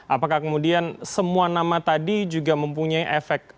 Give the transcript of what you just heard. apakah kemudian semua nama tadi juga mempunyai efek